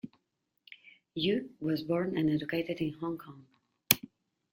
Yiu was born and educated in Hong Kong.